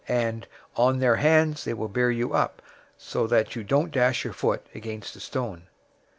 and, 'On their hands they will bear you up, so that you don't dash your foot against a stone.'"